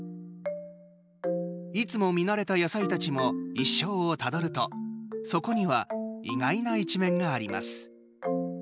いつも見慣れた野菜たちも一生をたどるとそこには意外な一面があります。